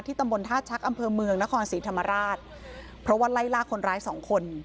ตำบลท่าชักอำเภอเมืองนครศรีธรรมราชเพราะว่าไล่ลากคนร้ายสองคน